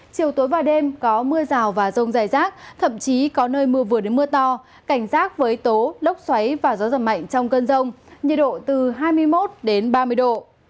chiều tối và đêm có mưa rào và rông dài rác thậm chí có nơi mưa vừa đến mưa to cảnh giác với tố lốc xoáy và gió giật mạnh trong cơn rông nhiệt độ từ hai mươi một ba mươi độ